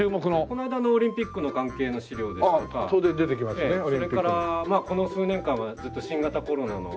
この間のオリンピックの関係の資料ですとかそれからこの数年間はずっと新型コロナの。